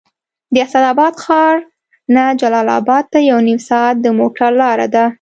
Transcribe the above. د اسداباد ښار نه جلال اباد ته یو نیم ساعت د موټر لاره ده